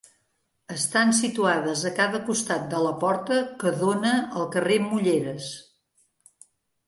Estan situades a cada costat de la porta que dóna al carrer Mulleres.